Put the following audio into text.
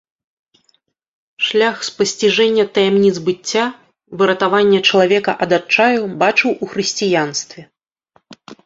Шлях спасціжэння таямніц быцця, выратавання чалавека ад адчаю бачыў у хрысціянстве.